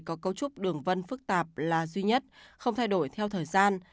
có cấu trúc đường vân phức tạp là duy nhất không thay đổi theo thời gian